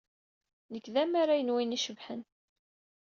Nekk d amaray n wayen icebḥen.